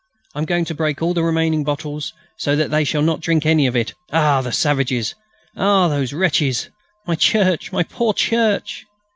I am going to break all the remaining bottles, so that they shall not drink any of it.... Ah! the savages! Ah! the wretches!... My church!... My poor church!..."